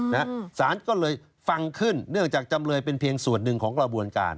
สารก็เลยฟังขึ้นเนื่องจากจำเลยเป็นเพียงส่วนหนึ่งของกระบวนการ